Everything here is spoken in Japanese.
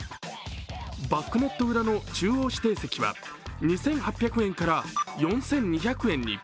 バックネット裏の中央指定席は、２８００円から４２００円に。